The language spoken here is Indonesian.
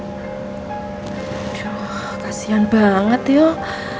aduh kasihan banget yuk